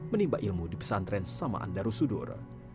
menimba ilmu di pesantren samaan darussudur